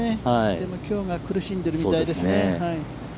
でも、きょうは苦しんでいるみたいですね。